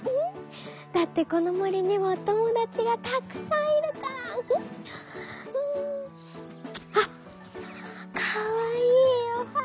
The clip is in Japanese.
だってこのもりにはおともだちがたくさんいるから！あっかわいいおはな！